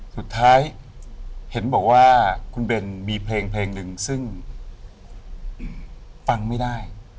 สุดท้ายเห็นบอกว่าคุณเบนมีเพลงเพลงหนึ่งซึ่งฟังไม่ได้